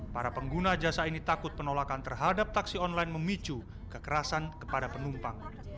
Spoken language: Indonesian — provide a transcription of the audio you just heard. para pengguna jasa ini takut penolakan terhadap taksi online memicu kekerasan kepada penumpang